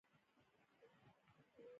د هلمند کمال خان بند د آرینو کار دی